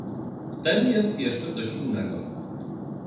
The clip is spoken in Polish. "W tem jest jeszcze coś innego."